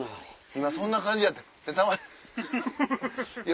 今そんな感じやったんや。